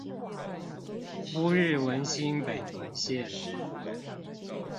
烏日文心北屯線